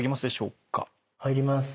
入ります。